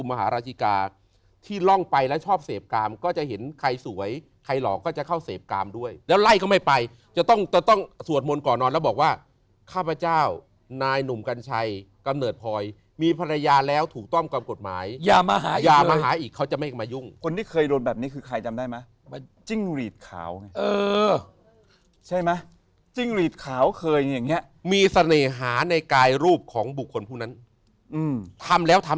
ปรากฏว่าเจอเด็กอ่ะร้องไห้อยู่บนข้างบนอยากจะลงมาบนขื่อ